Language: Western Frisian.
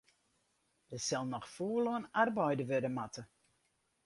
Dêr sil noch fûl oan arbeide wurde moatte.